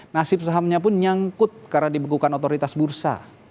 nasib sahamnya pun nyangkut karena dibekukan otoritas bursa